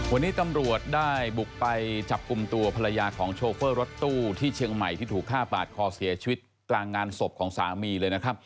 วันนี้ตำรวจได้บุกไปจับกลุ่มตัวภรรยาของโชเฟอร์รถตู้ที่เชียงใหม่ที่ถูกฆ่าปาดคอเสียชีวิตกลางงานศพของสามีเลยนะครับ